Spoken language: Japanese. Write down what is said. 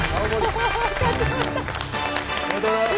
おめでとうございます。